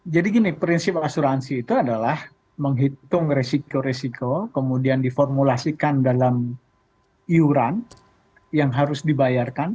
jadi gini prinsip asuransi itu adalah menghitung resiko resiko kemudian diformulasikan dalam iuran yang harus dibayarkan